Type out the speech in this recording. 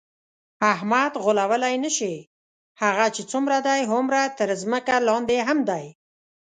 احمد غولولی نشې، هغه چې څومره دی هومره تر ځمکه لاندې هم دی.